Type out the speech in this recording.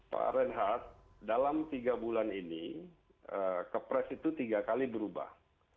pak renhat dalam tiga bulan ini kepres itu tiga kali berubah